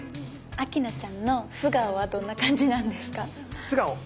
明菜ちゃんの素顔はどんな感じなんですか？